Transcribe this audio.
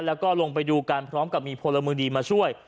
แล้วก็ลงไปดูกันพร้อมกับมีพลเมืองดีมาช่วย